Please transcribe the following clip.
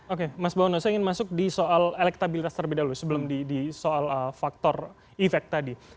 oke mas bawono saya ingin masuk di soal elektabilitas terlebih dahulu sebelum di soal faktor efek tadi